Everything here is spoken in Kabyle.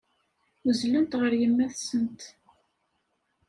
Uzzlent ɣer yemma-tsent.